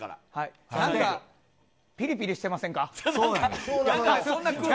ピリピリしてませんか？